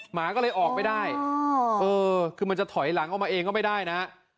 หมาก็เลยออกไม่ได้เออคือมันจะถอยหลังออกมาเองก็ไม่ได้นะ